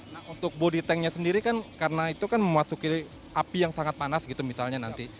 nah untuk body tanknya sendiri kan karena itu kan memasuki api yang sangat panas gitu misalnya nanti